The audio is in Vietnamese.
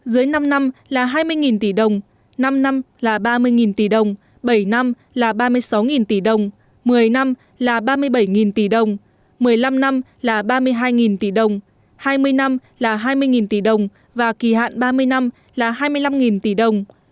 dưới năm năm là hai mươi tỷ đồng năm năm là ba mươi tỷ đồng bảy năm là ba mươi sáu tỷ đồng một mươi năm là ba mươi bảy tỷ đồng một mươi năm năm là ba mươi hai tỷ đồng hai mươi năm là hai mươi tỷ đồng và kỳ hạn ba mươi năm là hai mươi năm tỷ đồng